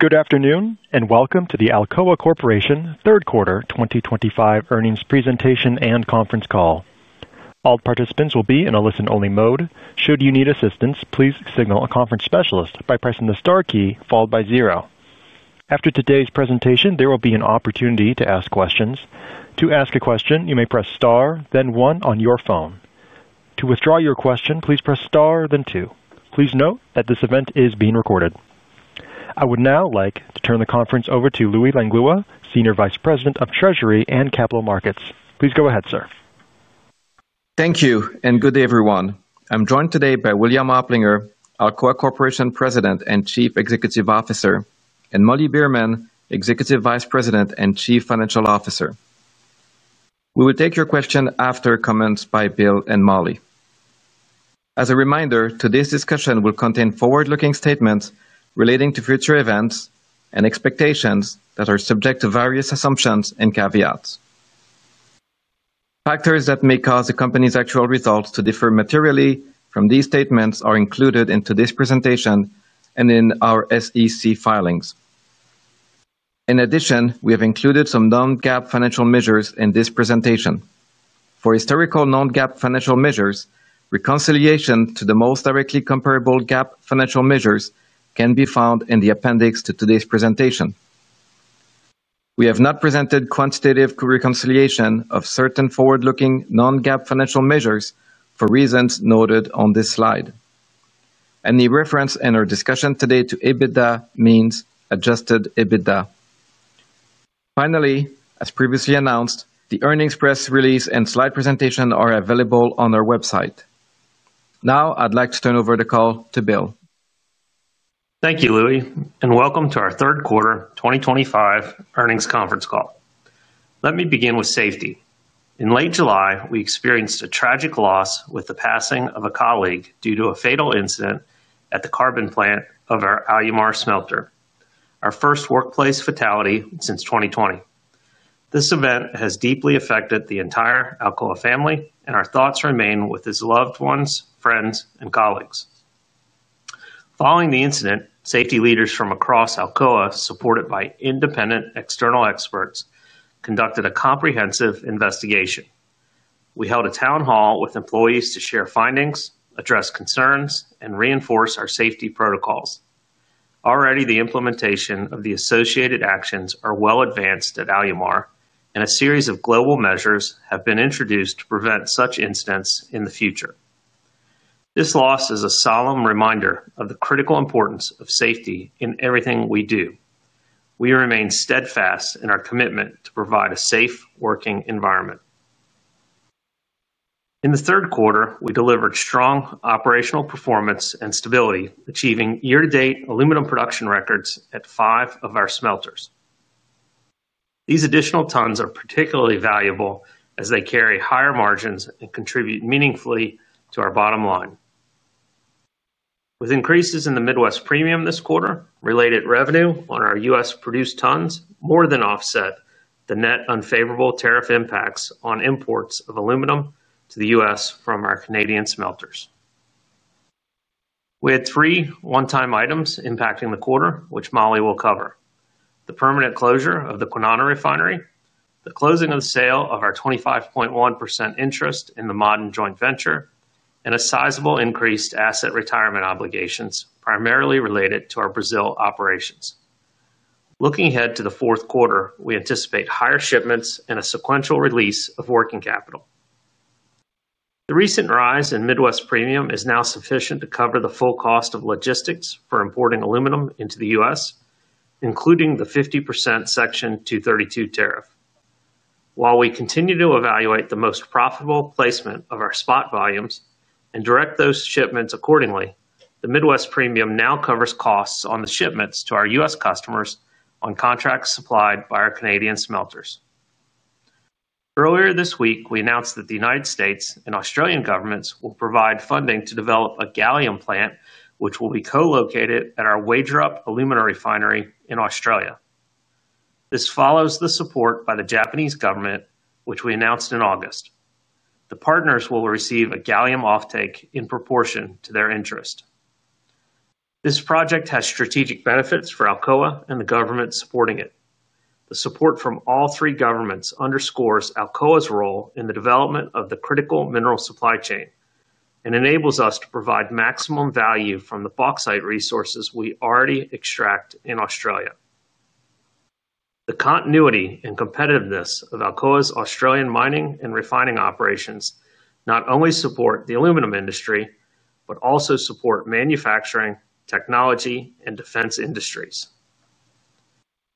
Good afternoon and welcome to the Alcoa Corporation Third Quarter 2025 Earnings Presentation and Conference Call. All participants will be in a listen-only mode. Should you need assistance, please signal a conference specialist by pressing the star key followed by zero. After today's presentation, there will be an opportunity to ask questions. To ask a question, you may press star, then one on your phone. To withdraw your question, please press star, then two. Please note that this event is being recorded. I would now like to turn the conference over to Louis Langlois, Senior Vice President of Treasury and Capital Markets. Please go ahead, sir. Thank you, and good day, everyone. I'm joined today by William Oplinger, Alcoa Corporation President and Chief Executive Officer, and Molly Beerman, Executive Vice President and Chief Financial Officer. We will take your question after comments by Bill and Molly. As a reminder, today's discussion will contain forward-looking statements relating to future events and expectations that are subject to various assumptions and caveats. Factors that may cause a company's actual results to differ materially from these statements are included in today's presentation and in our SEC filings. In addition, we have included some non-GAAP financial measures in this presentation. For historical non-GAAP financial measures, reconciliation to the most directly comparable GAAP financial measures can be found in the appendix to today's presentation. We have not presented quantitative reconciliation of certain forward-looking non-GAAP financial measures for reasons noted on this slide. Any reference in our discussion today to EBITDA means adjusted EBITDA. Finally, as previously announced, the earnings press release and slide presentation are available on our website. Now, I'd like to turn over the call to Bill. Thank you, Louis, and welcome to our Third Quarter 2025 Earnings Conference Call. Let me begin with safety. In late July, we experienced a tragic loss with the passing of a colleague due to a fatal incident at the carbon plant of our Alumar smelter, our first workplace fatality since 2020. This event has deeply affected the entire Alcoa family, and our thoughts remain with his loved ones, friends, and colleagues. Following the incident, safety leaders from across Alcoa, supported by independent external experts, conducted a comprehensive investigation. We held a town hall with employees to share findings, address concerns, and reinforce our safety protocols. Already, the implementation of the associated actions is well advanced at Alumar, and a series of global measures have been introduced to prevent such incidents in the future. This loss is a solemn reminder of the critical importance of safety in everything we do. We remain steadfast in our commitment to provide a safe working environment. In the third quarter, we delivered strong operational performance and stability, achieving year-to-date aluminum production records at five of our smelters. These additional tons are particularly valuable as they carry higher margins and contribute meaningfully to our bottom line. With increases in the Midwest premium this quarter, related revenue on our U.S. produced tons more than offset the net unfavorable tariff impacts on imports of aluminum to the U.S. from our Canadian smelters. We had three one-time items impacting the quarter, which Molly will cover: the permanent closure of the Kwinana Refinery, the closing of the sale of our 25.1% interest in the Modern Joint Venture, and a sizable increase to asset retirement obligations, primarily related to our Brazil operations. Looking ahead to the fourth quarter, we anticipate higher shipments and a sequential release of working capital. The recent rise in Midwest premium is now sufficient to cover the full cost of logistics for importing aluminum into the U.S., including the 50% Section 232 tariff. While we continue to evaluate the most profitable placement of our spot volumes and direct those shipments accordingly, the Midwest premium now covers costs on the shipments to our U.S. customers on contracts supplied by our Canadian smelters. Earlier this week, we announced that the United States and Australian governments will provide funding to develop a gallium plant, which will be co-located at our Wagerup Refinery in Australia. This follows the support by the Japanese government, which we announced in August. The partners will receive a gallium offtake in proportion to their interest. This project has strategic benefits for Alcoa Corporation and the governments supporting it. The support from all three governments underscores Alcoa Corporation's role in the development of the critical minerals supply chain and enables us to provide maximum value from the bauxite resources we already extract in Australia. The continuity and competitiveness of Alcoa Corporation's Australian mining and refining operations not only support the aluminum industry but also support manufacturing, technology, and defense industries.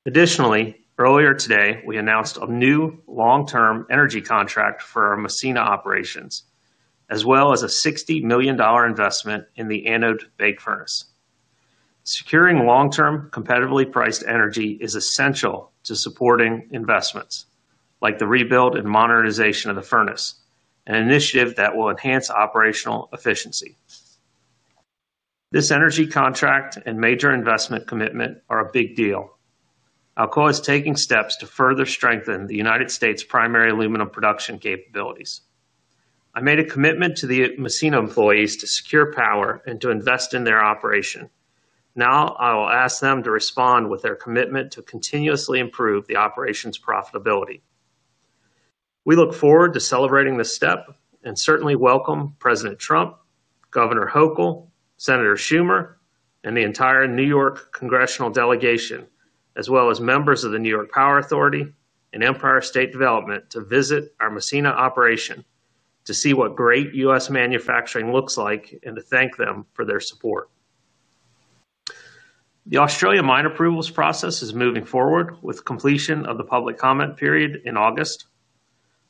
Additionally, earlier today, we announced a new long-term energy contract for our Massena operations, as well as a $60 million investment in the anode bake furnace. Securing long-term, competitively priced energy is essential to supporting investments like the rebuild and modernization of the furnace, an initiative that will enhance operational efficiencies. This energy contract and major investment commitment are a big deal. Alcoa Corporation is taking steps to further strengthen the United States' primary aluminum production capabilities. I made a commitment to the Massena employees to secure power and to invest in their operation. Now, I will ask them to respond with their commitment to continuously improve the operation's profitability. We look forward to celebrating this step and certainly welcome President Trump, Governor Hochul, Senator Schumer, and the entire New York congressional delegation, as well as members of the New York Power Authority and Empire State Development, to visit our Massena operation to see what great U.S. manufacturing looks like and to thank them for their support. The Australian mine approvals process is moving forward with the completion of the public comment period in August.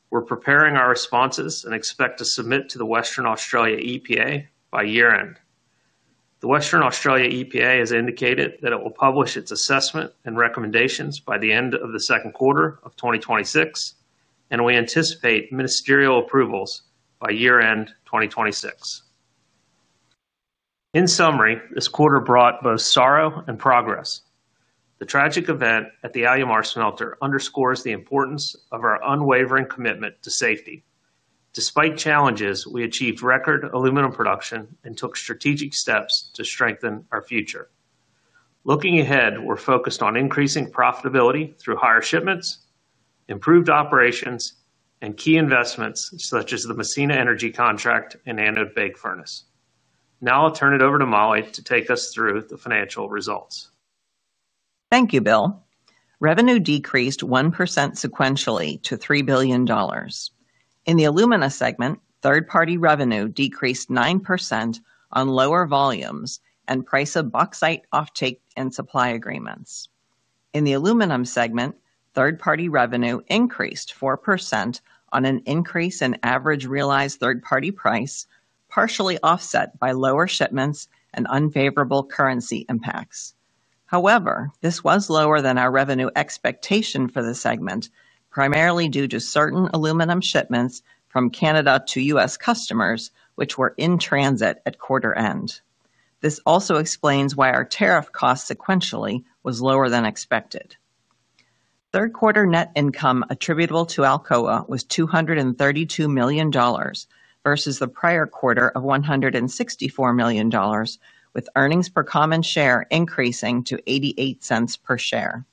We're preparing our responses and expect to submit to the Western Australia EPA by year-end. The Western Australia EPA has indicated that it will publish its assessment and recommendations by the end of the second quarter of 2026, and we anticipate ministerial approvals by year-end 2026. In summary, this quarter brought both sorrow and progress. The tragic event at the Alumar smelter underscores the importance of our unwavering commitment to safety. Despite challenges, we achieved record aluminum production and took strategic steps to strengthen our future. Looking ahead, we're focused on increasing profitability through higher shipments, improved operations, and key investments such as the Massena energy contract and anode bake furnace. Now, I'll turn it over to Molly to take us through the financial results. Thank you, Bill. Revenue decreased 1% sequentially to $3 billion. In the alumina segment, third-party revenue decreased 9% on lower volumes and the price of bauxite offtake and supply agreements. In the aluminum segment, third-party revenue increased 4% on an increase in average realized third-party price, partially offset by lower shipments and unfavorable currency impacts. However, this was lower than our revenue expectation for the segment, primarily due to certain aluminum shipments from Canada to U.S. customers, which were in transit at quarter end. This also explains why our tariff cost sequentially was lower than expected. Third quarter net income attributable to Alcoa was $232 million versus the prior quarter of $164 million, with earnings per common share increasing to $0.88 per share.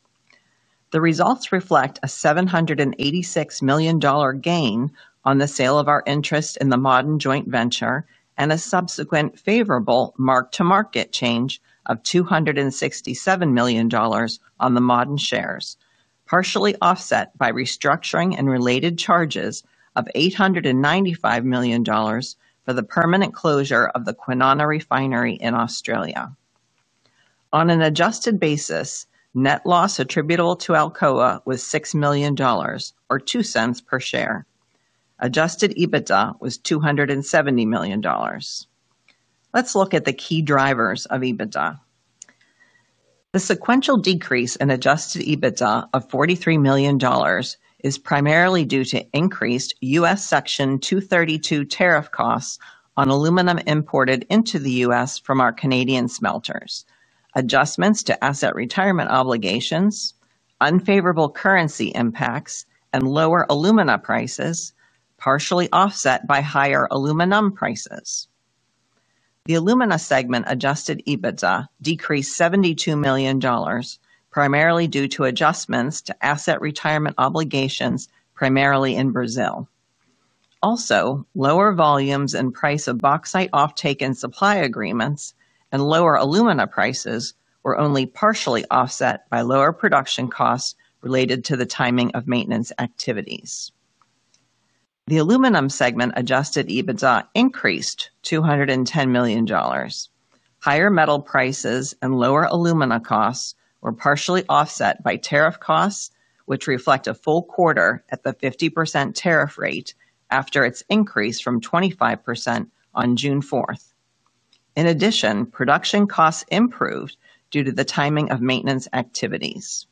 The results reflect a $786 million gain on the sale of our interest in the Modern Joint Venture and a subsequent favorable mark-to-market change of $267 million on the Modern shares, partially offset by restructuring and related charges of $895 million for the permanent closure of the Kwinana Refinery in Australia. On an adjusted basis, net loss attributable to Alcoa was $6 million or $0.02 per share. Adjusted EBITDA was $270 million. Let's look at the key drivers of EBITDA. The sequential decrease in adjusted EBITDA of $43 million is primarily due to increased U.S. Section 232 tariff costs on aluminum imported into the U.S. from our Canadian smelters, adjustments to asset retirement obligations, unfavorable currency impacts, and lower alumina prices, partially offset by higher aluminum prices. The alumina segment adjusted EBITDA decreased $72 million, primarily due to adjustments to asset retirement obligations, primarily in Brazil. Also, lower volumes and the price of bauxite offtake and supply agreements and lower alumina prices were only partially offset by lower production costs related to the timing of maintenance activities. The aluminum segment adjusted EBITDA increased $210 million. Higher metal prices and lower alumina costs were partially offset by tariff costs, which reflect a full quarter at the 50% tariff rate after its increase from 25% on June 4th. In addition, production costs improved due to the timing of maintenance activities.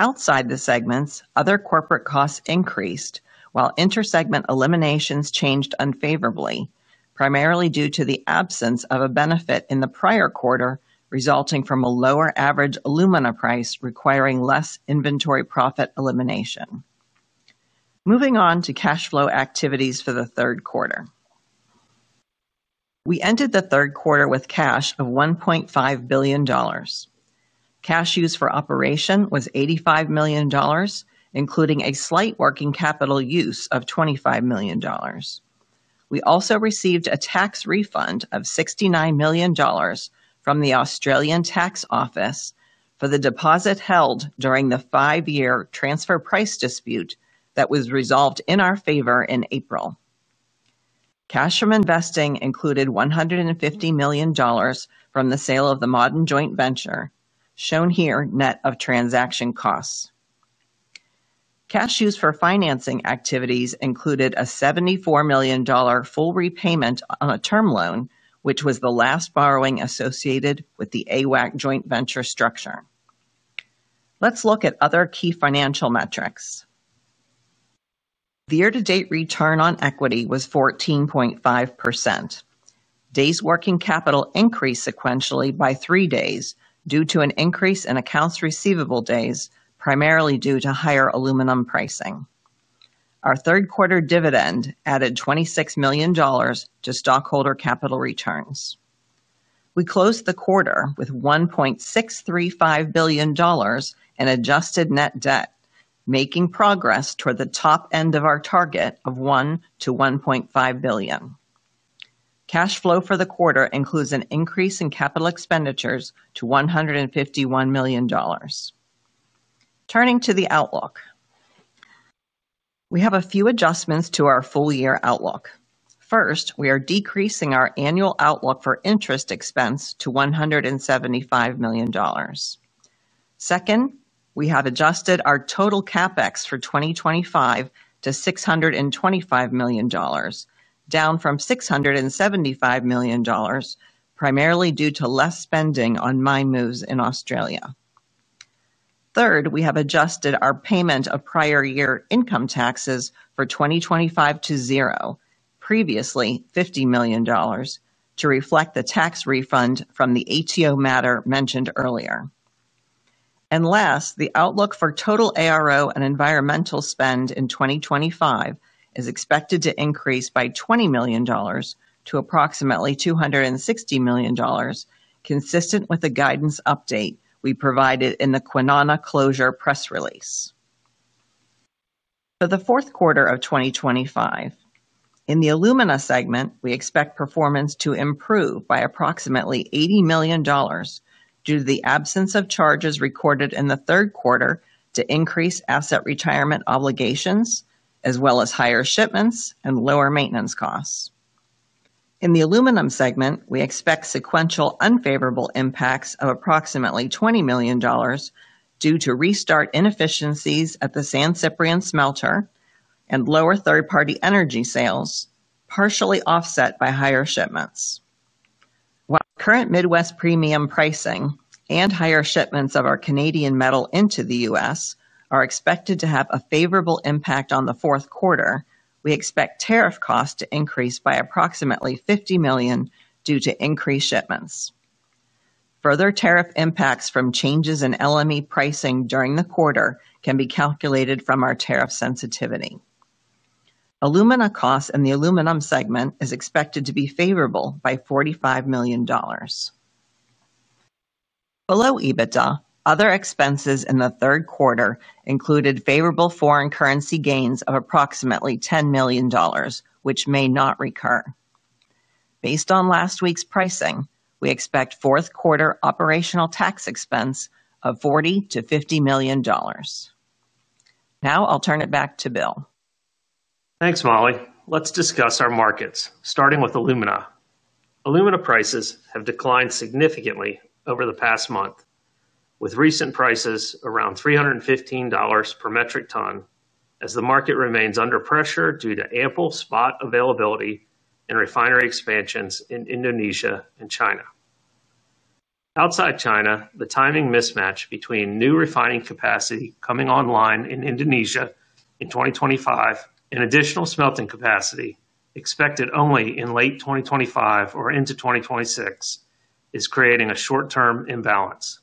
Outside the segments, other corporate costs increased, while intersegment eliminations changed unfavorably, primarily due to the absence of a benefit in the prior quarter resulting from a lower average alumina price requiring less inventory profit elimination. Moving on to cash flow activities for the third quarter. We ended the third quarter with cash of $1.5 billion. Cash used for operations was $85 million, including a slight working capital use of $25 million. We also received a tax refund of $69 million from the Australian Tax Office for the deposit held during the five-year transfer price dispute that was resolved in our favor in April. Cash from investing included $150 million from the sale of the Modern Joint Venture, shown here net of transaction costs. Cash used for financing activities included a $74 million full repayment on a term loan, which was the last borrowing associated with the AWAC Joint Venture structure. Let's look at other key financial metrics. The year-to-date return on equity was 14.5%. Days' working capital increased sequentially by three days due to an increase in accounts receivable days, primarily due to higher aluminum pricing. Our third quarter dividend added $26 million to stockholder capital returns. We closed the quarter with $1.635 billion in adjusted net debt, making progress toward the top end of our target of $1 billion-$1.5 billion. Cash flow for the quarter includes an increase in capital expenditures to $151 million. Turning to the outlook, we have a few adjustments to our full-year outlook. First, we are decreasing our annual outlook for interest expense to $175 million. Second, we have adjusted our total CapEx for 2025 to $625 million, down from $675 million, primarily due to less spending on mine moves in Australia. Third, we have adjusted our payment of prior year income taxes for 2025 to zero, previously $50 million, to reflect the tax refund from the ATO matter mentioned earlier. Last, the outlook for total asset retirement obligations and environmental spend in 2025 is expected to increase by $20 million to approximately $260 million, consistent with the guidance update we provided in the Kwinana closure press release. For the fourth quarter of 2025, in the alumina segment, we expect performance to improve by approximately $80 million due to the absence of charges recorded in the third quarter to increase asset retirement obligations, as well as higher shipments and lower maintenance costs. In the aluminum segment, we expect sequential unfavorable impacts of approximately $20 million due to restart inefficiencies at the San Ciprian smelter and lower third-party energy sales, partially offset by higher shipments. While current Midwest premium pricing and higher shipments of our Canadian metal into the U.S. are expected to have a favorable impact on the fourth quarter, we expect tariff costs to increase by approximately $50 million due to increased shipments. Further tariff impacts from changes in LME pricing during the quarter can be calculated from our tariff sensitivity. Alumina costs in the aluminum segment are expected to be favorable by $45 million. Below EBITDA, other expenses in the third quarter included favorable foreign currency gains of approximately $10 million, which may not recur. Based on last week's pricing, we expect fourth quarter operational tax expense of $40 million-$50 million. Now, I'll turn it back to Bill. Thanks, Molly. Let's discuss our markets, starting with alumina. Alumina prices have declined significantly over the past month, with recent prices around $315 per metric ton, as the market remains under pressure due to ample spot availability and refinery expansions in Indonesia and China. Outside China, the timing mismatch between new refining capacity coming online in Indonesia in 2025 and additional smelting capacity expected only in late 2025 or into 2026 is creating a short-term imbalance.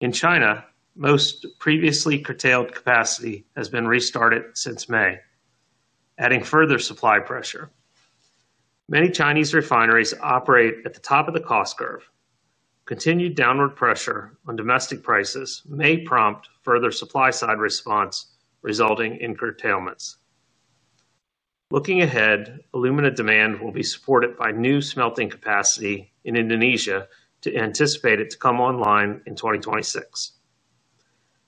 In China, most previously curtailed capacity has been restarted since May, adding further supply pressure. Many Chinese refineries operate at the top of the cost curve. Continued downward pressure on domestic prices may prompt further supply-side response, resulting in curtailments. Looking ahead, alumina demand will be supported by new smelting capacity in Indonesia to anticipate it to come online in 2026.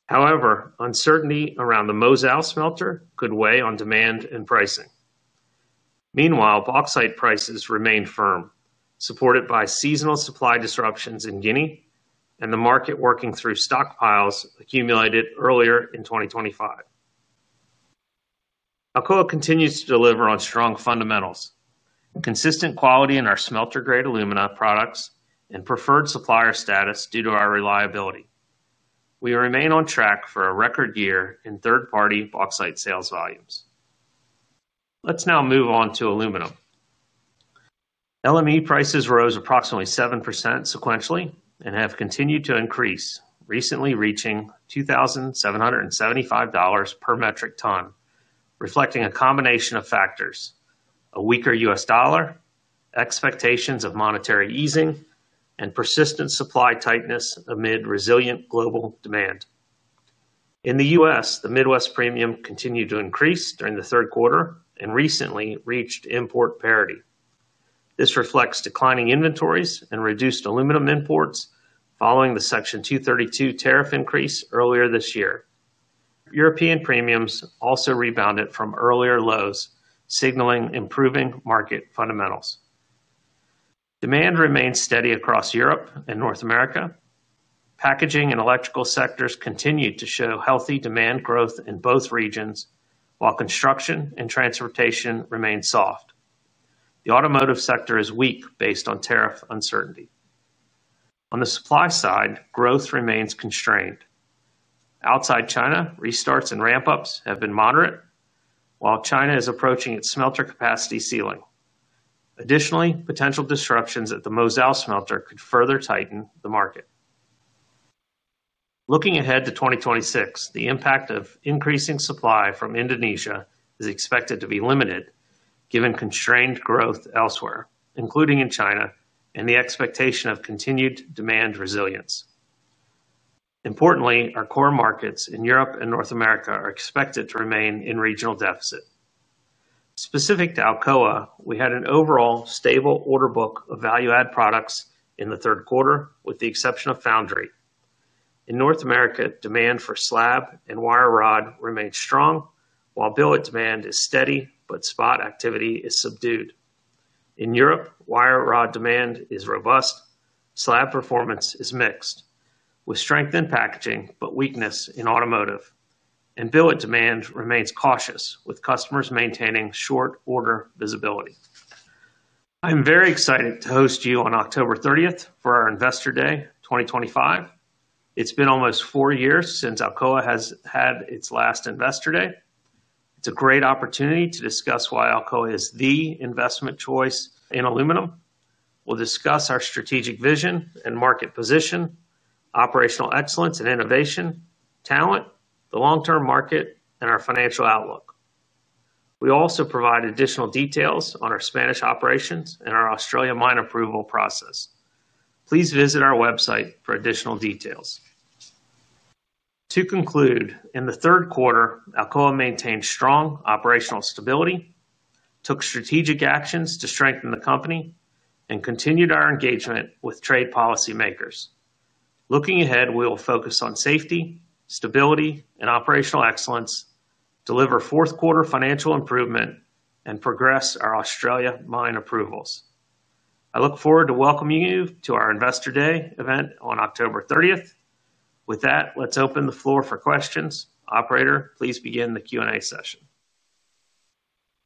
However, uncertainty around the Mozao smelter could weigh on demand and pricing. Meanwhile, bauxite prices remain firm, supported by seasonal supply disruptions in Guinea and the market working through stockpiles accumulated earlier in 2025. Alcoa continues to deliver on strong fundamentals, consistent quality in our smelter-grade alumina products, and preferred supplier status due to our reliability. We remain on track for a record year in third-party bauxite sales volumes. Let's now move on to aluminum. LME prices rose approximately 7% sequentially and have continued to increase, recently reaching $2,775 per metric ton, reflecting a combination of factors: a weaker U.S. dollar, expectations of monetary easing, and persistent supply tightness amid resilient global demand. In the U.S., the Midwest premium continued to increase during the third quarter and recently reached import parity. This reflects declining inventories and reduced aluminum imports following the Section 232 tariff increase earlier this year. European premiums also rebounded from earlier lows, signaling improving market fundamentals. Demand remains steady across Europe and North America. Packaging and electrical sectors continue to show healthy demand growth in both regions, while construction and transportation remain soft. The automotive sector is weak based on tariff uncertainty. On the supply side, growth remains constrained. Outside China, restarts and ramp-ups have been moderate, while China is approaching its smelter capacity ceiling. Additionally, potential disruptions at the Mozal smelter could further tighten the market. Looking ahead to 2026, the impact of increasing supply from Indonesia is expected to be limited, given constrained growth elsewhere, including in China, and the expectation of continued demand resilience. Importantly, our core markets in Europe and North America are expected to remain in regional deficit. Specific to Alcoa, we had an overall stable order book of value-added products in the third quarter, with the exception of foundry. In North America, demand for slab and wire rod remains strong, while billet demand is steady, but spot activity is subdued. In Europe, wire rod demand is robust. Slab performance is mixed, with strength in packaging but weakness in automotive, and billet demand remains cautious, with customers maintaining short order visibility. I'm very excited to host you on October 30th for our Investor Day 2025. It's been almost four years since Alcoa has had its last Investor Day. It's a great opportunity to discuss why Alcoa is the investment choice in aluminum. We'll discuss our strategic vision and market position, operational excellence and innovation, talent, the long-term market, and our financial outlook. We also provide additional details on our Spanish operations and our Australian mine approval process. Please visit our website for additional details. To conclude, in the third quarter, Alcoa maintained strong operational stability, took strategic actions to strengthen the company, and continued our engagement with trade policymakers. Looking ahead, we will focus on safety, stability, and operational excellence, deliver fourth quarter financial improvement, and progress our Australia mine approvals. I look forward to welcoming you to our Investor Day event on October 30th. With that, let's open the floor for questions. Operator, please begin the Q&A session.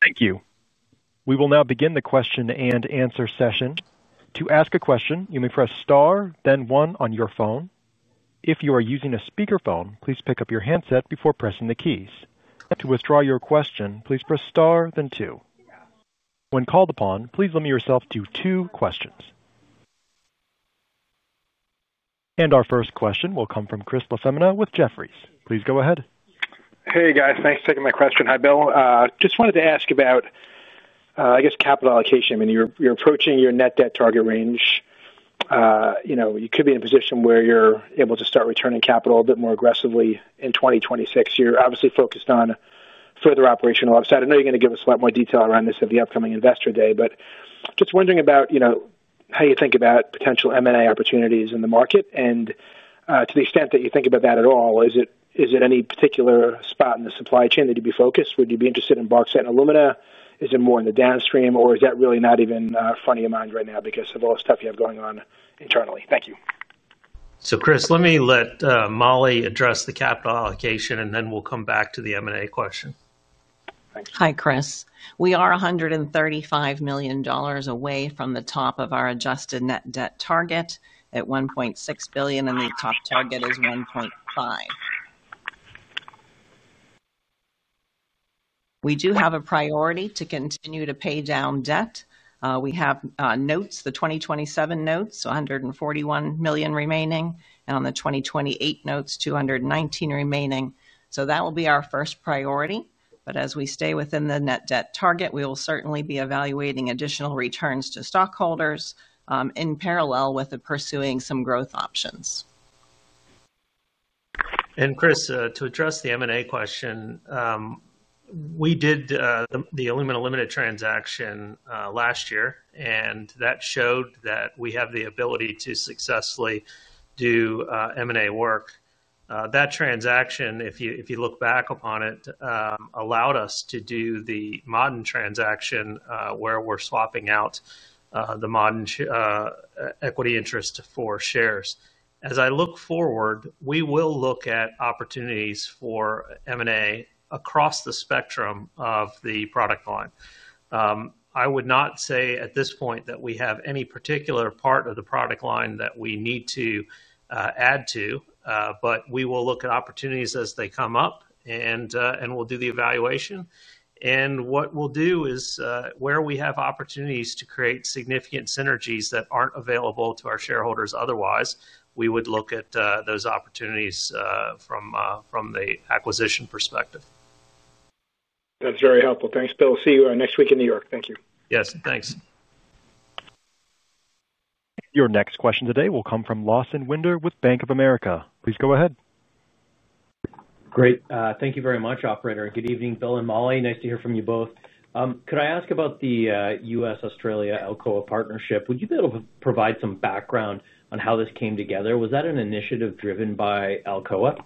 Thank you. We will now begin the question-and-answer session. To ask a question, you may press star, then one on your phone. If you are using a speakerphone, please pick up your headset before pressing the keys. To withdraw your question, please press star, then two. When called upon, please limit yourself to two questions. Our first question will come from Chris LaFemina with Jefferies. Please go ahead. Hey, guys, thanks for taking my question. Hi, Bill. Just wanted to ask about, I guess, capital allocation. I mean, you're approaching your net debt target range. You could be in a position where you're able to start returning capital a bit more aggressively in 2026. You're obviously focused on further operational upset. I know you're going to give us a lot more detail around this at the upcoming Investor Day, but just wondering about how you think about potential M&A opportunities in the market and to the extent that you think about that at all. Is it any particular spot in the supply chain that you'd be focused? Would you be interested in bauxite and alumina? Is it more in the downstream, or is that really not even front of your mind right now because of all the stuff you have going on internally? Thank you. Chris, let me let Molly address the capital allocation, and then we'll come back to the M&A question. Thanks. Hi, Chris. We are $135 million away from the top of our adjusted net debt target at $1.6 billion, and the top target is $1.5 billion. We do have a priority to continue to pay down debt. We have notes, the 2027 notes, $141 million remaining, and on the 2028 notes, $219 million remaining. That will be our first priority. As we stay within the net debt target, we will certainly be evaluating additional returns to stockholders in parallel with pursuing some growth options. Chris, to address the M&A question, we did the Alumina Limited transaction last year, and that showed that we have the ability to successfully do M&A work. That transaction, if you look back upon it, allowed us to do the Modern transaction where we're swapping out the Modern equity interest for shares. As I look forward, we will look at opportunities for M&A across the spectrum of the product line. I would not say at this point that we have any particular part of the product line that we need to add to, but we will look at opportunities as they come up, and we'll do the evaluation. What we'll do is where we have opportunities to create significant synergies that aren't available to our shareholders otherwise, we would look at those opportunities from the acquisition perspective. That's very helpful. Thanks, Bill. See you next week in New York. Thank you. Yes, thanks. Your next question today will come from Lawson Winder with Bank of America. Please go ahead. Great. Thank you very much, Operator, and good evening, Bill and Molly. Nice to hear from you both. Could I ask about the U.S.-Australia Alcoa partnership? Would you be able to provide some background on how this came together? Was that an initiative driven by Alcoa?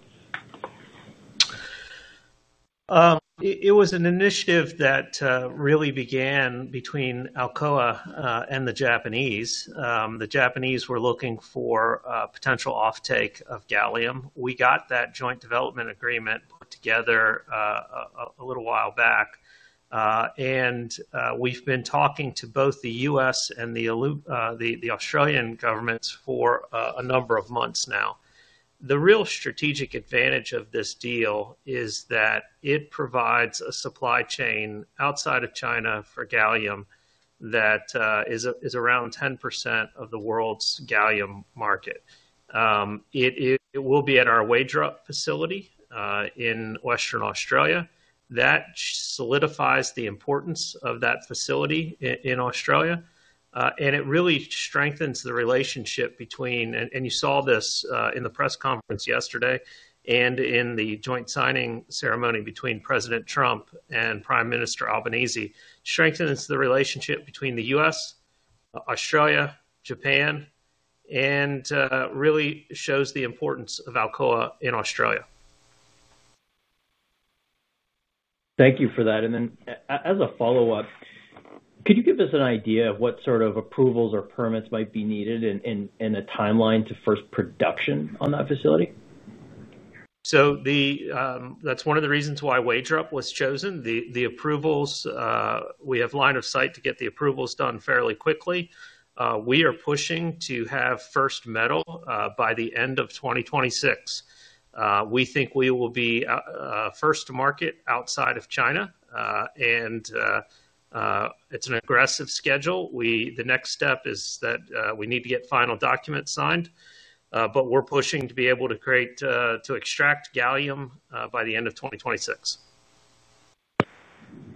It was an initiative that really began between Alcoa and the Japanese. The Japanese were looking for a potential offtake of gallium. We got that joint development agreement put together a little while back, and we've been talking to both the U.S. and the Australian governments for a number of months now. The real strategic advantage of this deal is that it provides a supply chain outside of China for gallium that is around 10% of the world's gallium market. It will be at our Wagerup facility in Western Australia. That solidifies the importance of that facility in Australia, and it really strengthens the relationship between, and you saw this in the press conference yesterday and in the joint signing ceremony between President Trump and Prime Minister Albanese, strengthens the relationship between the U.S., Australia, Japan, and really shows the importance of Alcoa in Australia. Thank you for that. As a follow-up, could you give us an idea of what sort of approvals or permits might be needed and a timeline to first production on that facility? That's one of the reasons why Wagerup was chosen. The approvals, we have line of sight to get the approvals done fairly quickly. We are pushing to have first metal by the end of 2026. We think we will be first to market outside of China, and it's an aggressive schedule. The next step is that we need to get final documents signed, but we're pushing to be able to create, to extract gallium by the end of 2026.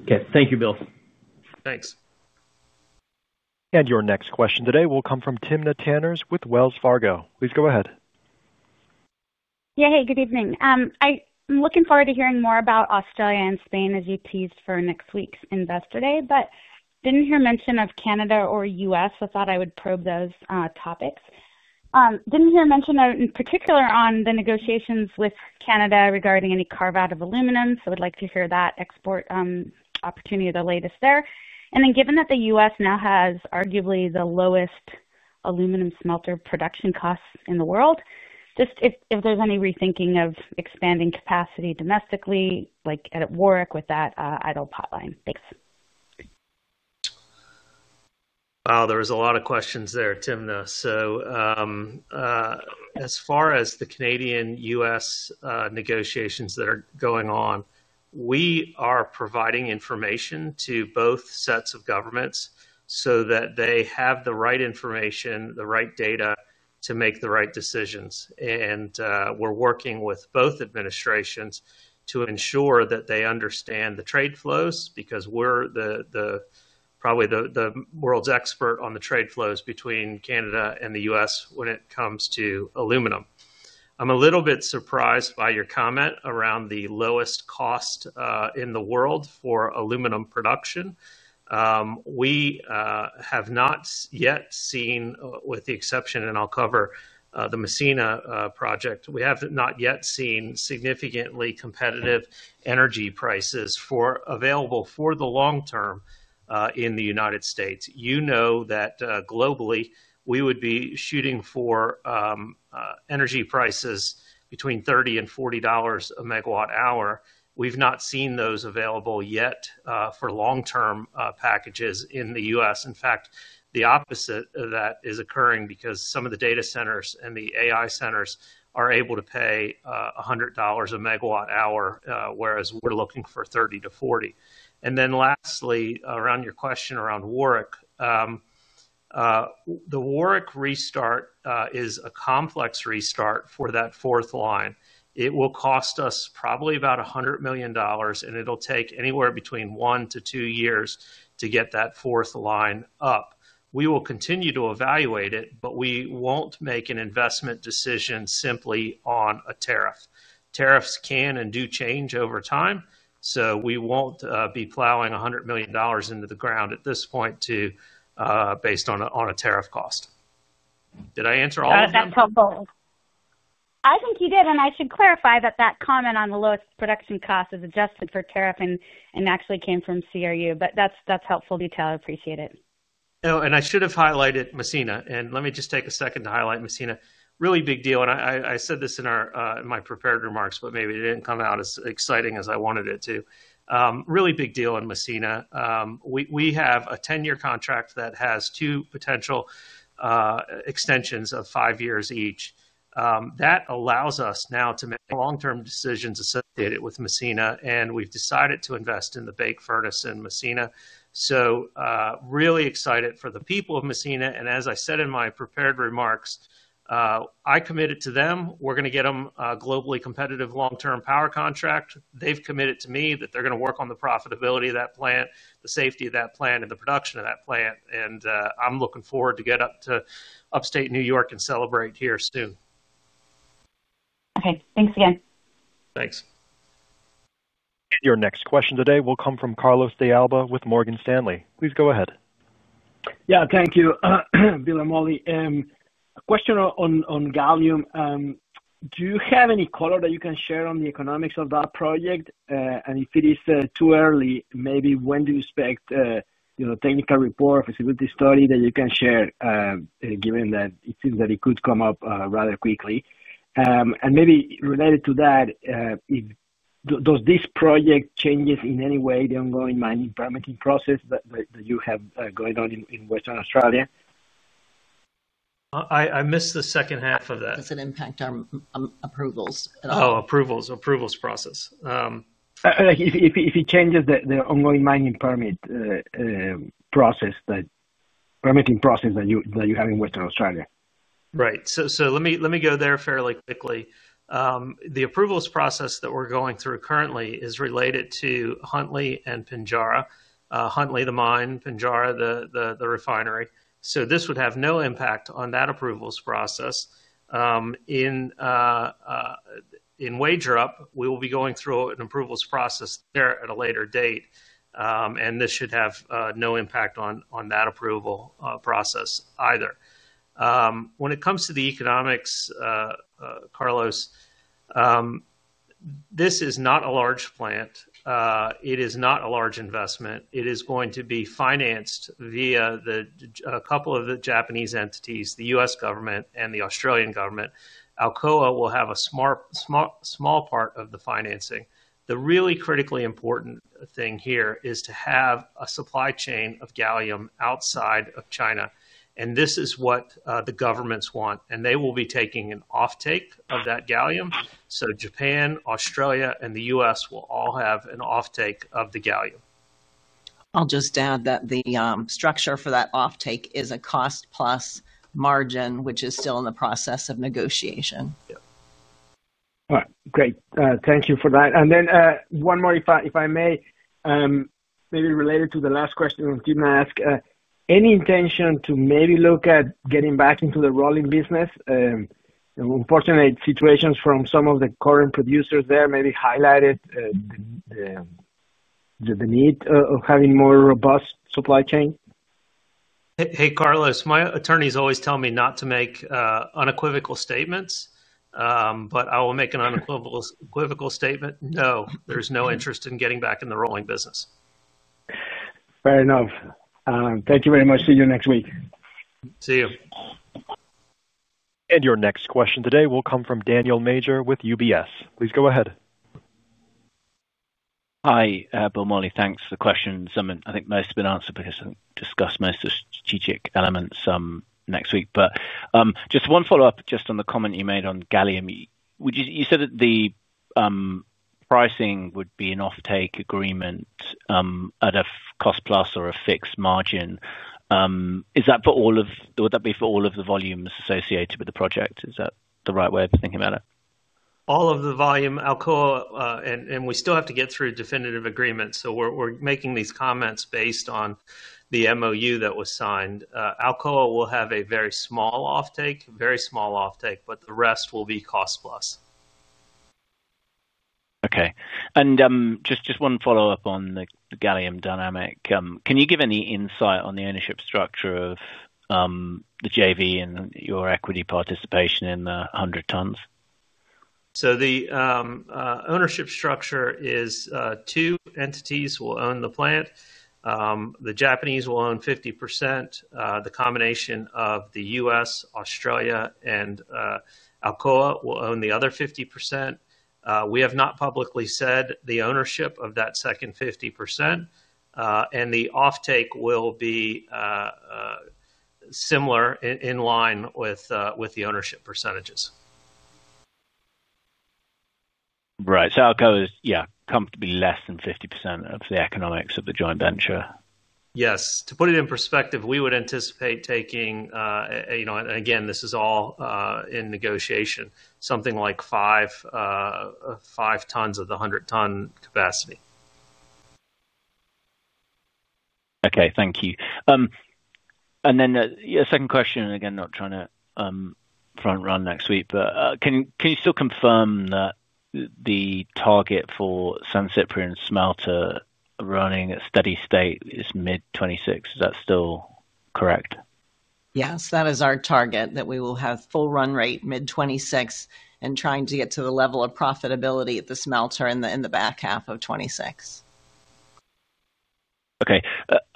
Okay. Thank you, Bill. Thanks. Your next question today will come from Timna Tanners with Wells Fargo. Please go ahead. Yeah, hey, good evening. I'm looking forward to hearing more about Australia and Spain as you teased for next week's Investor Day, but didn't hear mention of Canada or U.S. I thought I would probe those topics. Didn't hear mention in particular on the negotiations with Canada regarding any carve-out of aluminum, so I'd like to hear that export opportunity, the latest there. Then, given that the U.S. now has arguably the lowest aluminum smelter production costs in the world, just if there's any rethinking of expanding capacity domestically, like at Warwick with that idle pot line. Thanks. Wow, there was a lot of questions there, Timna. As far as the Canadian-U.S. negotiations that are going on, we are providing information to both sets of governments so that they have the right information, the right data to make the right decisions. We're working with both administrations to ensure that they understand the trade flows because we're probably the world's expert on the trade flows between Canada and the U.S. when it comes to aluminum. I'm a little bit surprised by your comment around the lowest cost in the world for aluminum production. We have not yet seen, with the exception, and I'll cover the Massena project, we have not yet seen significantly competitive energy prices available for the long term in the United States. You know that globally, we would be shooting for energy prices between $30 and $40 a MWh. We've not seen those available yet for long-term packages in the U.S. In fact, the opposite of that is occurring because some of the data centers and the AI centers are able to pay $100 a MWh, whereas we're looking for $30-$40. Lastly, around your question around Warwick, the Warwick restart is a complex restart for that fourth line. It will cost us probably about $100 million, and it'll take anywhere between one to two years to get that fourth line up. We will continue to evaluate it, but we won't make an investment decision simply on a tariff. Tariffs can and do change over time, so we won't be plowing $100 million into the ground at this point based on a tariff cost. Did I answer all of that? I think you did, and I should clarify that that comment on the lowest production cost is adjusted for tariff and actually came from CRU, but that's helpful detail. I appreciate it. I should have highlighted Massena, and let me just take a second to highlight Massena. Really big deal, and I said this in my prepared remarks, but maybe it didn't come out as exciting as I wanted it to. Really big deal in Massena. We have a 10-year contract that has two potential extensions of five years each. That allows us now to make long-term decisions associated with Massena, and we've decided to invest in the bake furnace in Massena. I'm really excited for the people of Massena, and as I said in my prepared remarks, I committed to them. We're going to get them a globally competitive long-term power contract. They've committed to me that they're going to work on the profitability of that plant, the safety of that plant, and the production of that plant, and I'm looking forward to get up to upstate New York and celebrate here soon. Okay, thanks again. Thanks. Your next question today will come from Carlos de Alba with Morgan Stanley. Please go ahead. Thank you, Bill and Molly. A question on gallium. Do you have any color that you can share on the economics of that project? If it is too early, maybe when do you expect a technical report or a facility study that you can share, given that it seems that it could come up rather quickly? Maybe related to that, does this project change in any way the ongoing mining permitting process that you have going on in Western Australia? I missed the second half of that. Does it impact our approvals at all? Approvals process. If it changes the ongoing mining permit process, that permitting process that you have in Western Australia. Right. Let me go there fairly quickly. The approvals process that we're going through currently is related to Huntley and Punjara. Huntley, the mine; Punjara, the refinery. This would have no impact on that approvals process. In Wagerup, we will be going through an approvals process there at a later date, and this should have no impact on that approval process either. When it comes to the economics, Carlos, this is not a large plant. It is not a large investment. It is going to be financed via a couple of the Japanese entities, the U.S. government, and the Australian government. Alcoa will have a small part of the financing. The really critically important thing here is to have a supply chain of gallium outside of China. This is what the governments want. They will be taking an offtake of that gallium, so Japan, Australia, and the U.S. will all have an offtake of the gallium. I'll just add that the structure for that offtake is a cost plus margin, which is still in the process of negotiation. Great. Thank you for that. One more, if I may, maybe related to the last question Timna asked, any intention to maybe look at getting back into the rolling business? Unfortunately, situations from some of the current producers there maybe highlighted the need of having a more robust supply chain. Hey, Carlos, my attorneys always tell me not to make unequivocal statements, but I will make an unequivocal statement. No, there's no interest in getting back in the rolling business. Fair enough. Thank you very much. See you next week. See you. Your next question today will come from Daniel Major with UBS. Please go ahead. Hi, Bill, Molly. Thanks for the questions. I think most have been answered because I think we discussed most of the strategic elements next week. Just one follow-up on the comment you made on gallium. You said that the pricing would be an offtake agreement at a cost plus or a fixed margin. Is that for all of the, would that be for all of the volumes associated with the project? Is that the right way of thinking about it? All of the volume. Alcoa, and we still have to get through a definitive agreement, so we're making these comments based on the MOU that was signed. Alcoa will have a very small offtake, very small offtake, but the rest will be cost plus. Okay. Just one follow-up on the gallium dynamic. Can you give any insight on the ownership structure of the JV and your equity participation in the 100 tons? The ownership structure is two entities will own the plant. The Japanese will own 50%. The combination of the U.S., Australia, and Alcoa will own the other 50%. We have not publicly said the ownership of that second 50%, and the offtake will be similar in line with the ownership percentages. Right. Alcoa is comfortably less than 50% of the economics of the joint venture. Yes. To put it in perspective, we would anticipate taking, and again, this is all in negotiation, something like five tons of the 100-ton capacity. Thank you. A second question, not trying to front run next week, can you still confirm that the target for San Ciprian smelter running at steady state is mid-2026? Is that still correct? Yes, that is our target that we will have full run rate mid-2026 and trying to get to the level of profitability at the smelter in the back half of 2026. Okay.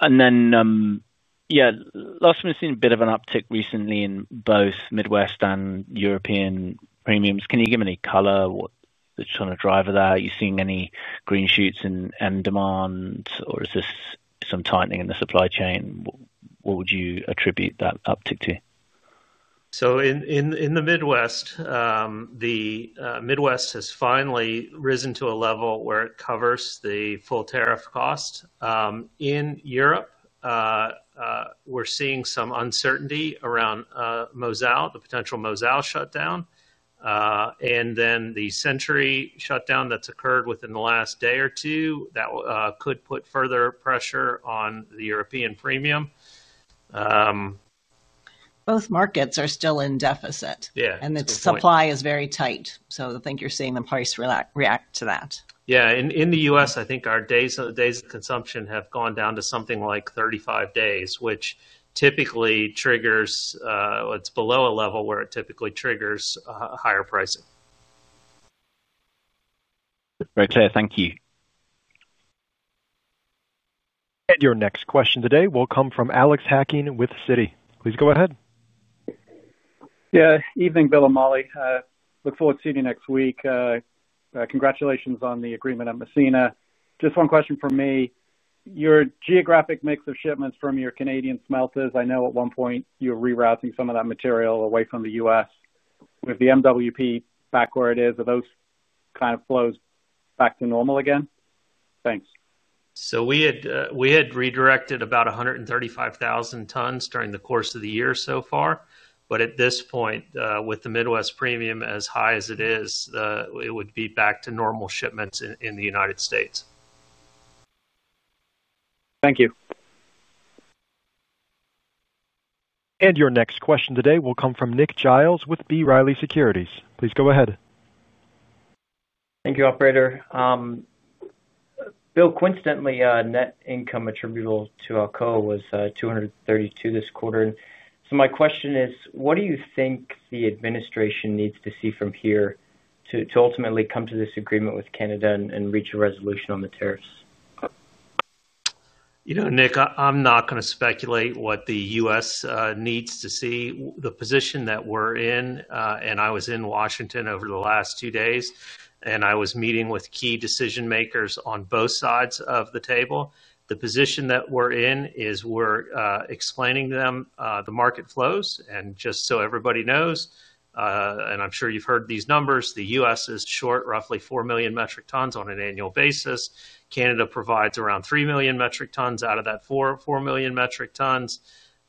Last time we've seen a bit of an uptick recently in both Midwest and European premiums. Can you give any color? What's the kind of driver there? Are you seeing any green shoots in end demand, or is this some tightening in the supply chain? What would you attribute that uptick to? In the Midwest, the Midwest has finally risen to a level where it covers the full tariff cost. In Europe, we're seeing some uncertainty around Mozal, the potential Mozal shutdown, and then the Century shutdown that's occurred within the last day or two that could put further pressure on the European premium. Both markets are still in deficit. Yeah, that's true. The supply is very tight. I think you're seeing the price react to that. Yeah. In the U.S., I think our days of consumption have gone down to something like 35 days, which is below a level where it typically triggers higher pricing. Very clear. Thank you. Your next question today will come from Alex Hacking with Citi. Please go ahead. Yeah, evening, Bill and Molly. Look forward to seeing you next week. Congratulations on the agreement at Massena. Just one question from me. Your geographic mix of shipments from your Canadian smelters, I know at one point you were rerouting some of that material away from the U.S. With the MWP back where it is, are those kind of flows back to normal again? Thanks. We had redirected about 135,000 tons during the course of the year so far, but at this point, with the Midwest premium as high as it is, it would be back to normal shipments in the United States. Thank you. Your next question today will come from Nick Giles with B. Reilly Securities. Please go ahead. Thank you, Operator. Bill, coincidentally, net income attributable to Alcoa Corporation was $232 million this quarter. My question is, what do you think the administration needs to see from here to ultimately come to this agreement with Canada and reach a resolution on the tariffs? You know, Nick, I'm not going to speculate what the U.S. needs to see. The position that we're in, and I was in Washington over the last two days, and I was meeting with key decision-makers on both sides of the table. The position that we're in is we're explaining to them the market flows. Just so everybody knows, and I'm sure you've heard these numbers, the U.S. is short roughly 4 million metric tons on an annual basis. Canada provides around 3 million metric tons out of that 4 million metric tons.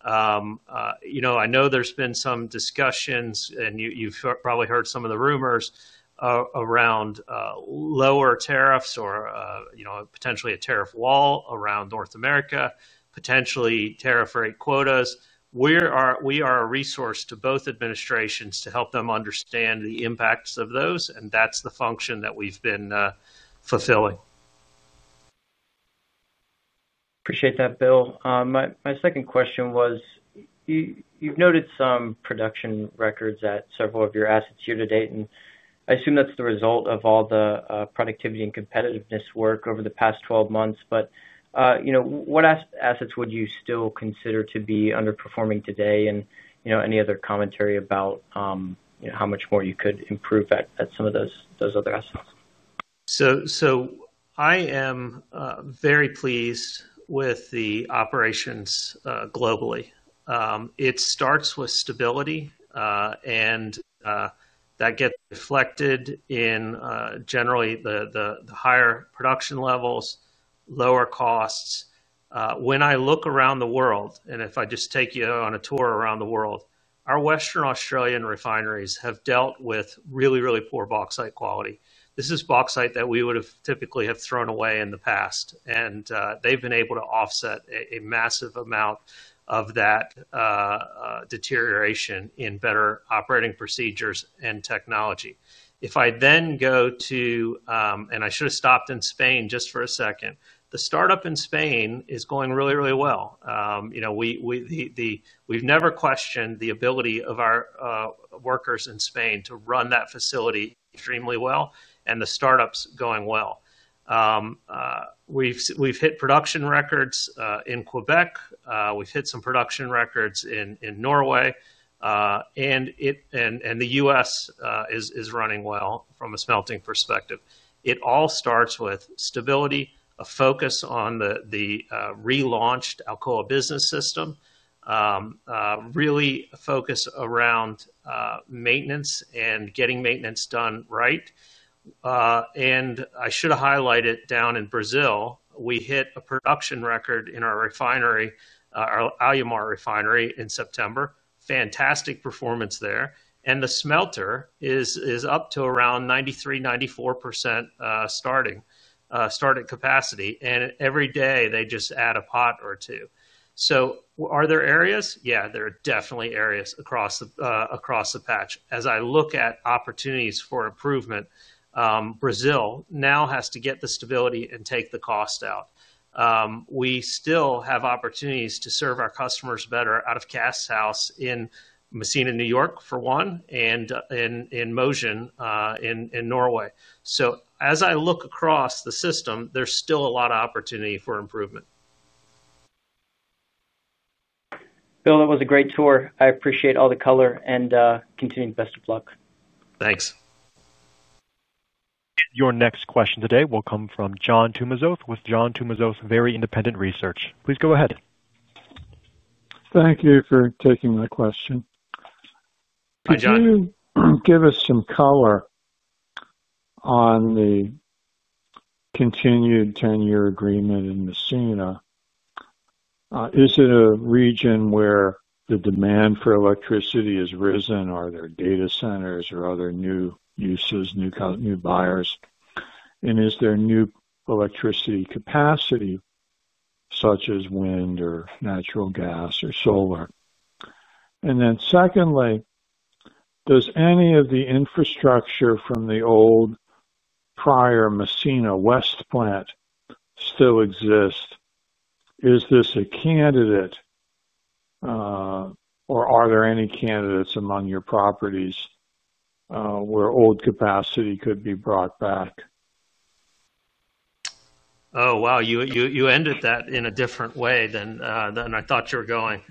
I know there's been some discussions, and you've probably heard some of the rumors around lower tariffs or potentially a tariff wall around North America, potentially tariff rate quotas. We are a resource to both administrations to help them understand the impacts of those, and that's the function that we've been fulfilling. Appreciate that, Bill. My second question was, you've noted some production records at several of your assets year-to-date, and I assume that's the result of all the productivity and competitiveness work over the past 12 months. What assets would you still consider to be underperforming today? Any other commentary about how much more you could improve at some of those other assets? I am very pleased with the operations globally. It starts with stability, and that gets reflected in generally the higher production levels, lower costs. When I look around the world, and if I just take you on a tour around the world, our Western Australian refineries have dealt with really, really poor bauxite quality. This is bauxite that we would have typically thrown away in the past, and they've been able to offset a massive amount of that deterioration in better operating procedures and technology. If I then go to, and I should have stopped in Spain just for a second, the startup in Spain is going really, really well. We've never questioned the ability of our workers in Spain to run that facility extremely well, and the startup's going well. We've hit production records in Quebec. We've hit some production records in Norway, and the U.S. is running well from a smelting perspective. It all starts with stability, a focus on the relaunched Alcoa business system, really focus around maintenance and getting maintenance done right. I should highlight it down in Brazil. We hit a production record in our refinery, our Alumar refinery, in September. Fantastic performance there. The smelter is up to around 93%, 94% starting capacity, and every day they just add a pot or two. Are there areas? Yeah, there are definitely areas across the patch. As I look at opportunities for improvement, Brazil now has to get the stability and take the cost out. We still have opportunities to serve our customers better out of Cast House in Massena, New York, for one, and in Mosjoen in Norway. As I look across the system, there's still a lot of opportunity for improvement. Bill, that was a great tour. I appreciate all the color and continued best of luck. Thanks. Your next question today will come from John Tumazanos with John Tumazanos Very Independent Research. Please go ahead. Thank you for taking my question. Could you give us some color on the continued 10-year agreement in Massena? Is it a region where the demand for electricity has risen? Are there data centers or other new uses, new buyers? Is there new electricity capacity, such as wind or natural gas or solar? Secondly, does any of the infrastructure from the old prior Massena West plant still exist? Is this a candidate, or are there any candidates among your properties where old capacity could be brought back? Oh, wow. You ended that in a different way than I thought you were going.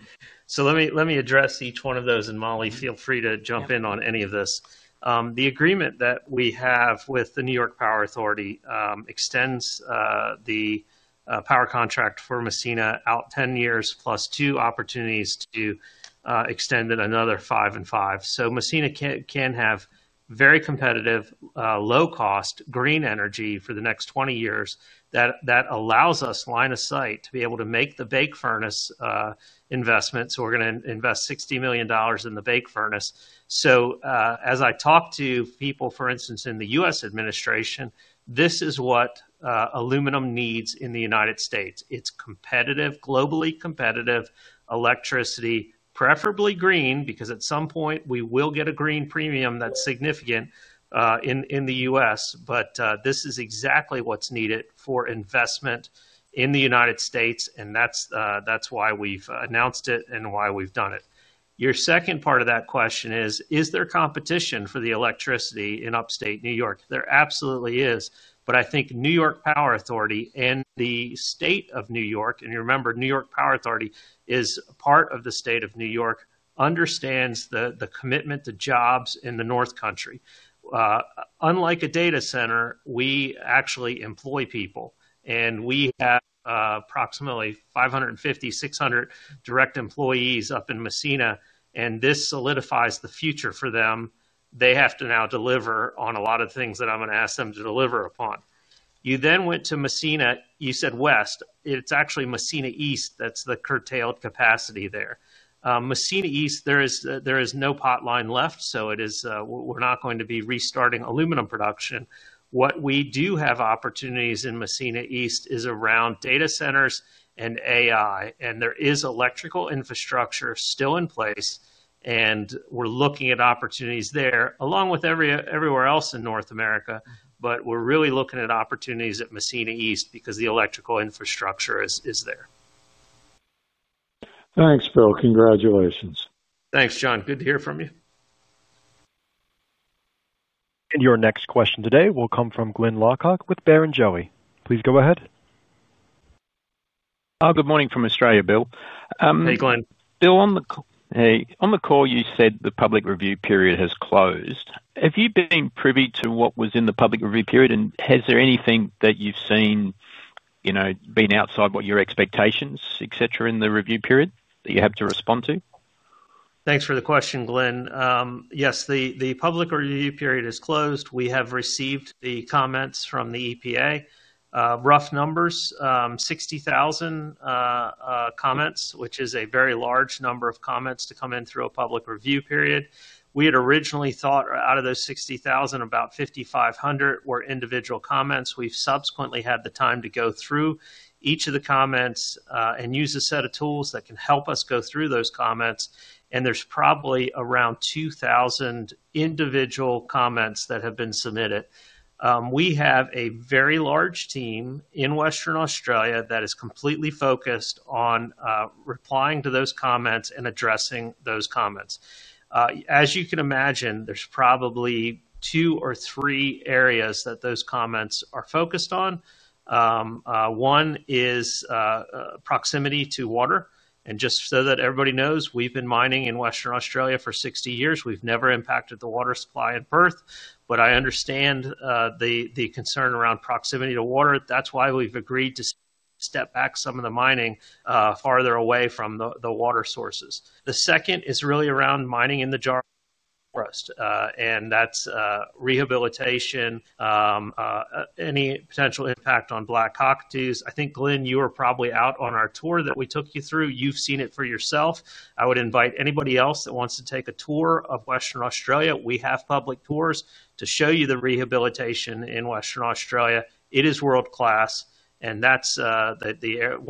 Let me address each one of those, and Molly, feel free to jump in on any of this. The agreement that we have with the New York Power Authority extends the power contract for Massena out 10 years, plus two opportunities to extend it another five and five. Massena can have very competitive, low-cost green energy for the next 20 years. That allows us line of sight to be able to make the bake furnace investment. We are going to invest $60 million in the bake furnace. As I talk to people, for instance, in the U.S. administration, this is what aluminum needs in the United States. It is competitive, globally competitive electricity, preferably green, because at some point we will get a green premium that's significant in the U.S., but this is exactly what's needed for investment in the United States, and that's why we've announced it and why we've done it. Your second part of that question is, is there competition for the electricity in upstate New York? There absolutely is, but I think New York Power Authority and the state of New York, and remember, New York Power Authority is part of the state of New York, understands the commitment to jobs in the North Country. Unlike a data center, we actually employ people, and we have approximately 550, 600 direct employees up in Massena, and this solidifies the future for them. They have to now deliver on a lot of things that I'm going to ask them to deliver upon. You then went to Massena, you said West. It's actually Massena East that's the curtailed capacity there. Massena East, there is no pot line left, so we're not going to be restarting aluminum production. What we do have opportunities in Massena East is around data centers and AI, and there is electrical infrastructure still in place, and we're looking at opportunities there, along with everywhere else in North America, but we're really looking at opportunities at Massena East because the electrical infrastructure is there. Thanks, Bill. Congratulations. Thanks, John. Good to hear from you. Your next question today will come from Glyn Lawcock with Barrenjoey. Please go ahead. Good morning from Australia, Bill. Hey, Glyn. Bill, on the call, you said the public review period has closed. Have you been privy to what was in the public review period, and has there anything that you've seen been outside what your expectations in the review period that you had to respond to? Thanks for the question, Glyn. Yes, the public review period is closed. We have received the comments from the EPA. Rough numbers, 60,000 comments, which is a very large number of comments to come in through a public review period. We had originally thought out of those 60,000, about 5,500 were individual comments. We've subsequently had the time to go through each of the comments and use a set of tools that can help us go through those comments, and there's probably around 2,000 individual comments that have been submitted. We have a very large team in Western Australia that is completely focused on replying to those comments and addressing those comments. As you can imagine, there's probably two or three areas that those comments are focused on. One is proximity to water, and just so that everybody knows, we've been mining in Western Australia for 60 years. We've never impacted the water supply at birth, but I understand the concern around proximity to water. That's why we've agreed to step back some of the mining farther away from the water sources. The second is really around mining in the jar for us, and that's rehabilitation, any potential impact on black cockatoos. I think, Glyn, you were probably out on our tour that we took you through. You've seen it for yourself. I would invite anybody else that wants to take a tour of Western Australia. We have public tours to show you the rehabilitation in Western Australia. It is world-class, and that's one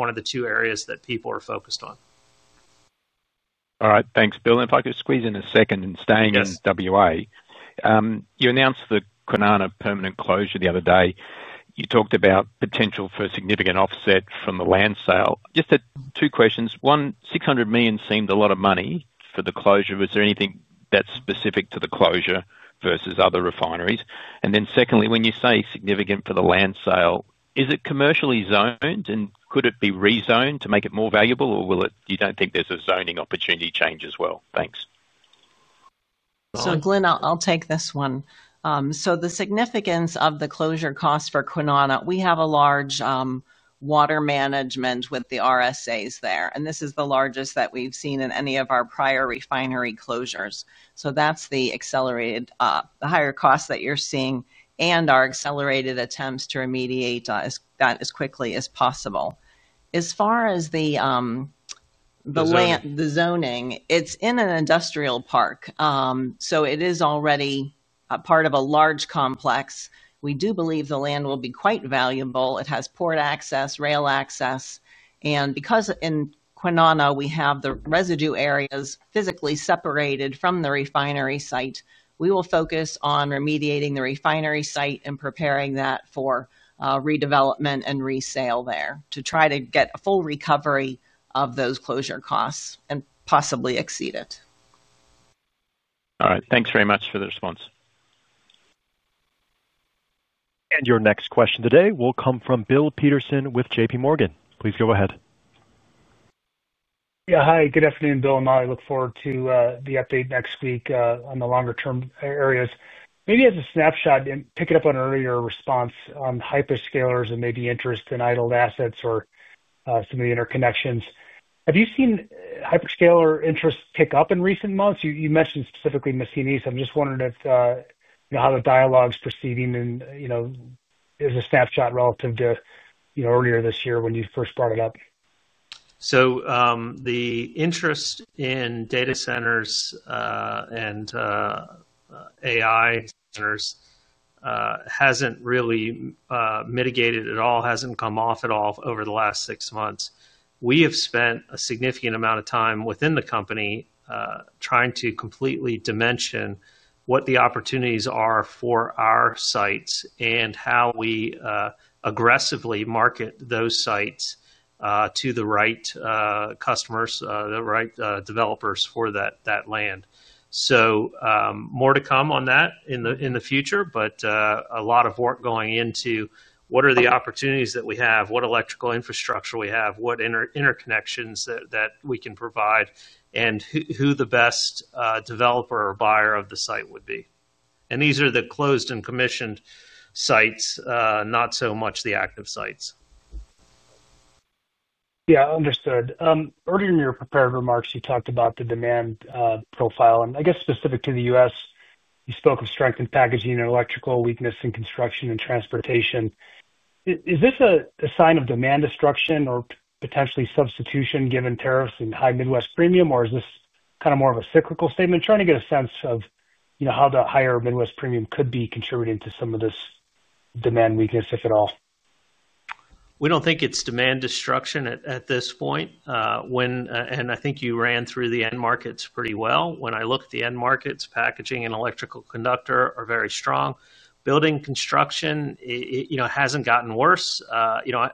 of the two areas that people are focused on. All right, thanks, Bill. If I could squeeze in a second and stay in WA, you announced the Kwinana permanent closure the other day. You talked about potential for significant offset from the land sale. Just two questions. One, $600 million seemed a lot of money for the closure. Was there anything that's specific to the closure versus other refineries? Then secondly, when you say significant for the land sale, is it commercially zoned, and could it be rezoned to make it more valuable, or will it, you don't think there's a zoning opportunity change as well? Thanks. Glyn, I'll take this one. The significance of the closure cost for Kwinana, we have a large water management with the RSAs there, and this is the largest that we've seen in any of our prior refinery closures. That's the accelerated, the higher cost that you're seeing, and our accelerated attempts to remediate that as quickly as possible. As far as the zoning, it's in an industrial park, so it is already part of a large complex. We do believe the land will be quite valuable. It has port access, rail access, and because in Kwinana, we have the residue areas physically separated from the refinery site, we will focus on remediating the refinery site and preparing that for redevelopment and resale there to try to get a full recovery of those closure costs and possibly exceed it. All right, thanks very much for the response. Your next question today will come from Bill Peterson with JP Morgan. Please go ahead. Yeah, hi, good afternoon, Bill and Molly. I look forward to the update next week on the longer-term areas. Maybe as a snapshot and pick it up on an earlier response on hyperscalers and maybe interest in idled assets or some of the interconnections. Have you seen hyperscaler interest pick up in recent months? You mentioned specifically Massena East. I'm just wondering if you know how the dialogue is proceeding and as a snapshot relative to earlier this year when you first brought it up. The interest in data centers and AI centers hasn't really mitigated at all, hasn't come off at all over the last six months. We have spent a significant amount of time within the company trying to completely dimension what the opportunities are for our sites and how we aggressively market those sites to the right customers, the right developers for that land. More to come on that in the future, but a lot of work going into what are the opportunities that we have, what electrical infrastructure we have, what interconnections that we can provide, and who the best developer or buyer of the site would be. These are the closed and commissioned sites, not so much the active sites. Yeah, understood. Earlier in your prepared remarks, you talked about the demand profile, and I guess specific to the U.S., you spoke of strength in packaging and electrical, weakness in construction and transportation. Is this a sign of demand destruction or potentially substitution given tariffs and high Midwest premium, or is this kind of more of a cyclical statement? Trying to get a sense of how the higher Midwest premium could be contributing to some of this demand weakness, if at all. We don't think it's demand destruction at this point. I think you ran through the end markets pretty well. When I look at the end markets, packaging and electrical conductor are very strong. Building construction hasn't gotten worse.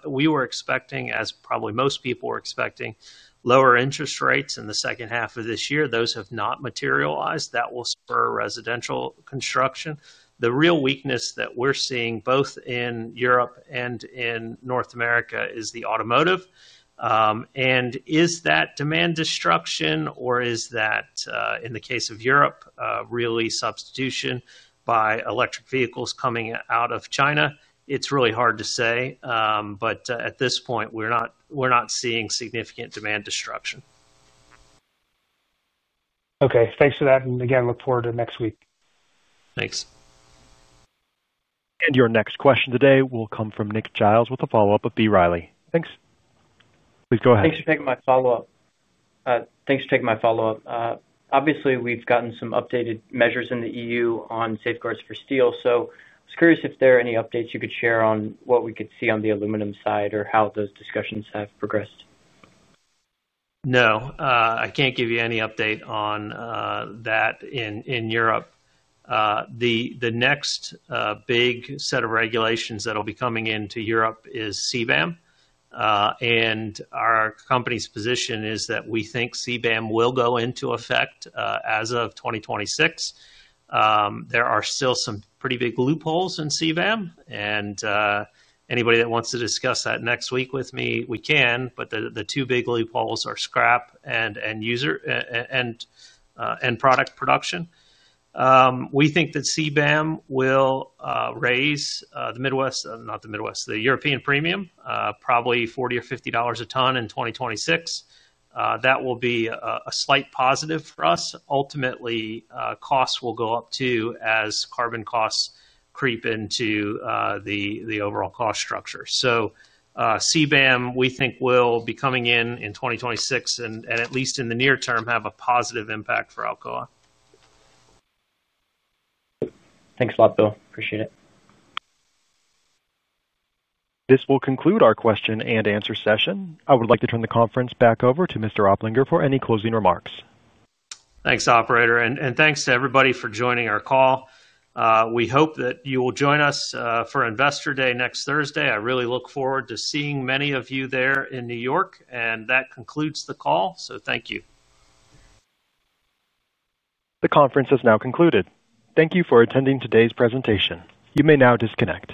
We were expecting, as probably most people were expecting, lower interest rates in the second half of this year. Those have not materialized. That will spur residential construction. The real weakness that we're seeing both in Europe and in North America is the automotive. Is that demand destruction, or is that, in the case of Europe, really substitution by electric vehicles coming out of China? It's really hard to say, but at this point, we're not seeing significant demand destruction. Okay, thanks for that. I look forward to next week. Thanks. Your next question today will come from Nick Giles with a follow-up of B. Riley. Thanks. Please go ahead. Thanks for taking my follow-up. Obviously, we've gotten some updated measures in the EU on safeguards for steel, so I was curious if there are any updates you could share on what we could see on the aluminum side or how those discussions have progressed. No, I can't give you any update on that in Europe. The next big set of regulations that will be coming into Europe is CBAM, and our company's position is that we think CBAM will go into effect as of 2026. There are still some pretty big loopholes in CBAM, and anybody that wants to discuss that next week with me, we can, but the two big loopholes are scrap and end product production. We think that CBAM will raise the European premium, probably $40 or $50 a ton in 2026. That will be a slight positive for us. Ultimately, costs will go up too as carbon costs creep into the overall cost structure. CBAM, we think, will be coming in in 2026 and at least in the near term have a positive impact for Alcoa. Thanks a lot, Bill. Appreciate it. This will conclude our question and answer session. I would like to turn the conference back over to Mr. Oplinger for any closing remarks. Thanks, Operator, and thanks to everybody for joining our call. We hope that you will join us for Investor Day next Thursday. I really look forward to seeing many of you there in New York, and that concludes the call, so thank you. The conference is now concluded. Thank you for attending today's presentation. You may now disconnect.